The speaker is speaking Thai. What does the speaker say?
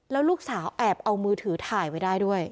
แล้วลูกสาวแอบเอามือถือถ่ายไว้ได้ด้วย